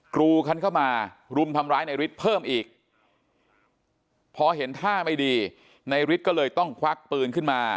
กรูกันเข้ามารุมทำร้ายในฤทธิ์เพิ่มอีกพอเห็นท่าไม่ดีในฤทธิ์ก็เลยต้องควักปืนขึ้นมา